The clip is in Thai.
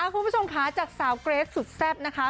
คุณผู้ชมค่ะจากสาวเกรทสุดแซ่บนะคะ